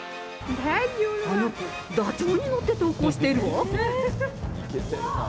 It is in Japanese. あの子、ダチョウに乗って登校しているわ。